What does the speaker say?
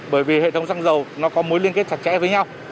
bởi vì hệ thống xăng dầu nó có mối liên kết chặt chẽ với nhau